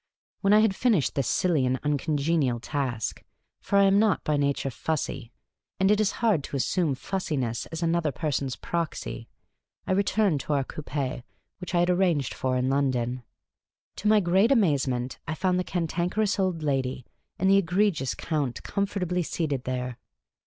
When I had finished this silly and uncongenial task — for I am not by nature fussy, and it is hard to assume fussiness as another person's proxy — I returned to our coupe vi\\\Q\\ I had arranged for in London. To my great amazement, I found the Cantankerous Old Lady and the egregious Count com fortably seated there.